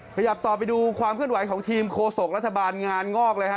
ขยับต่อไปดูความเคลื่อนไหวของทีมโคศกรัฐบาลงานงอกเลยฮะ